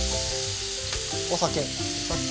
お酒。